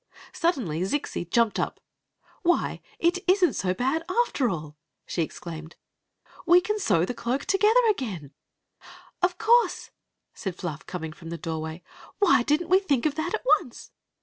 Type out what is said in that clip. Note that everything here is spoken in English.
Suddenly Zixi jumped up. "Why, it is nt so bad, after all!" she exclaimed. " We can sew the cloak together SLgaAnJ* " Of course !" said Fluff, coming from the doorway. "Why did n't we think of that at once?"